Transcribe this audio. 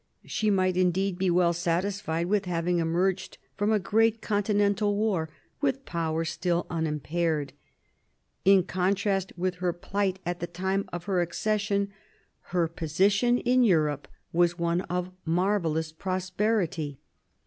She might indeed be well satisfied with having emerged from a great continental war with power still unim paired. In contrast with her plight at the time of her accession, her position in Europe was one of marvellous prosperity.